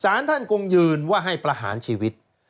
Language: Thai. สารท่านคงยืนว่าให้ประหารชีวิต